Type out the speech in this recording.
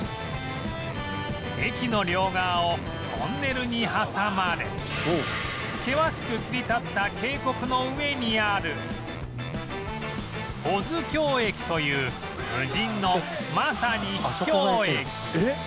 駅の両側をトンネルに挟まれ険しく切り立った渓谷の上にある保津峡駅という無人のまさに秘境駅えっ！？